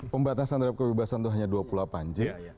pembatasan terhadap kebebasan itu hanya dua puluh delapan j